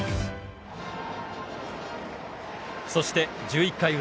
そして１１回ウラ。